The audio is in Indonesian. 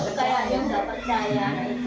kalau itu kayaknya gak percaya